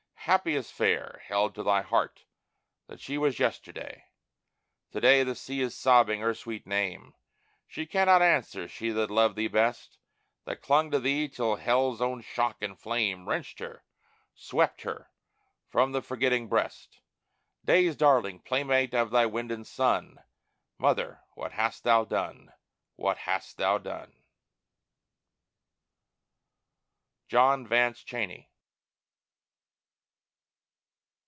Happy as fair, Held to thy heart that was she yesterday. To day the sea is sobbing her sweet name; She cannot answer she that loved thee best, That clung to thee till Hell's own shock and flame Wrenched her, swept her, from thy forgetting breast. Day's darling, playmate of thy wind and sun Mother, what hast thou done, what hast thou done! JOHN VANCE CHENEY.